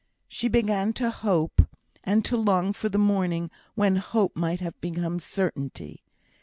She began to hope, and to long for the morning when hope might have become certainty.